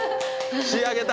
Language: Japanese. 仕上げた！